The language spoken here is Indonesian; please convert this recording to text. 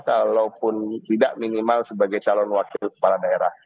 kalaupun tidak minimal sebagai calon wakil kepala daerah